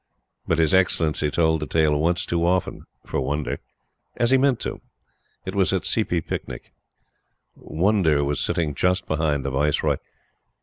But His Excellency told the tale once too often for Wonder. As he meant to do. It was at a Seepee Picnic. Wonder was sitting just behind the Viceroy.